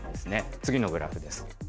次のグラフです。